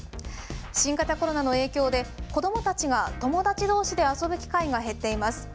新型コロナの影響で子どもたちが友達どうしで遊ぶ機会が減っています。